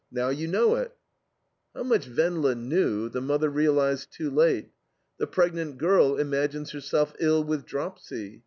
Now you know it!" How much Wendla "knew" the mother realized too late. The pregnant girl imagines herself ill with dropsy.